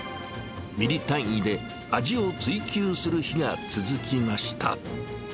ミリ単位で味を追求する日が続きました。